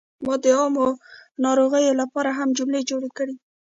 ما د عامو ناروغیو لپاره هم جملې جوړې کړې.